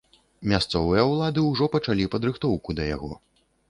Мясцовыя ўлады ўжо пачалі падрыхтоўку да яго.